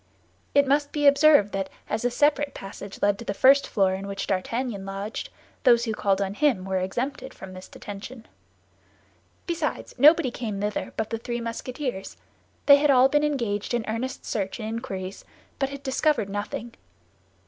It must be observed that as a separate passage led to the first floor, in which D'Artagnan lodged, those who called on him were exempted from this detention. Besides, nobody came thither but the three Musketeers; they had all been engaged in earnest search and inquiries, but had discovered nothing.